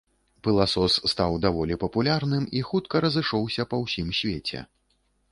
Пыласос стаў даволі папулярным і хутка разышоўся па ўсім свеце.